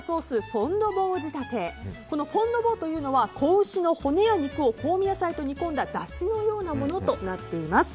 フォン・ド・ヴォーというのは子牛の骨や肉を香味野菜と煮込んだだしのようなものとなっています。